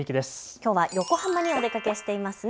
きょうは横浜にお出かけしていますね。